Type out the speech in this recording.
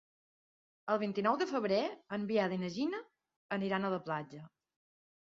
El vint-i-nou de febrer en Biel i na Gina iran a la platja.